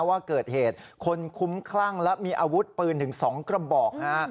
ว่าเกิดเหตุคนคุ้มคลั่งและมีอาวุธปืนถึง๒กระบอกฮะ